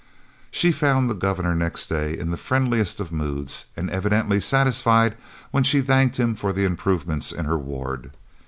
She found the Governor next day in the friendliest of moods and evidently satisfied when she thanked him for the improvements in her ward.